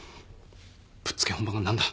ぶっつけ本番が何だ。